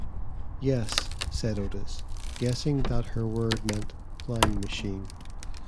“Yes,” said Otis, guessing that her word meant "flying machine".